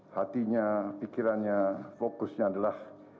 hatinya pikirannya fokusnya adalah